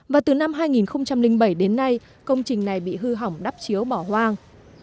và từ năm hai nghìn bảy đến nay công trình này bị hư hỏng đắp chiếu bỏ hoang